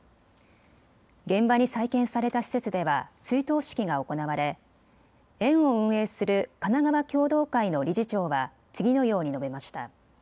現場に再建された施設では追悼式が行われ園を運営するかながわ共同会の理事長は次のように述べました。